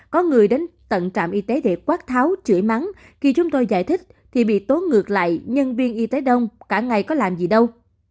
có người đến tận trạm y tế để quát tháo chửi mắng khi chúng tôi giải thích thì bị tốn ngược lại nhân viên y tế đông cả ngày có làm gì đâu